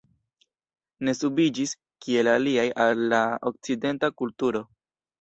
Ne subiĝis, kiel aliaj, al la okcidenta kulturo.